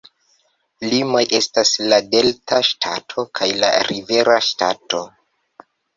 Limoj estas la Delta Ŝtato kaj la Rivera Ŝtato.